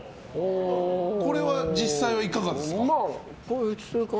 これは実際はいかがですか？